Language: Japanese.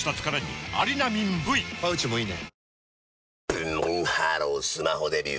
ブンブンハロースマホデビュー！